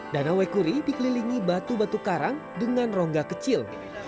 danau wekuri dikelilingi batu batu karang dengan rongga kecil